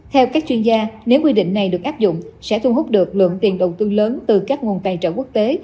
theo các chuyên gia nếu quy định này được áp dụng sẽ thu hút được lượng tiền đầu tư lớn từ các nguồn tài trợ quốc tế